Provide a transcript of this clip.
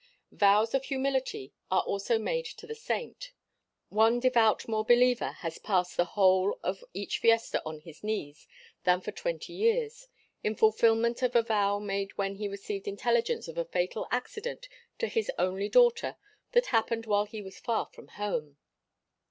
Vows of humility are also made to the saint. One devout more believer has passed the whole of each fiesta on his knees for than 20 years, in fulfillment of a vow made when he received intelligence of a fatal accident to his only daughter that happened while he was far from home.